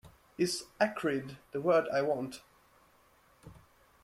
Is 'acrid' the word I want?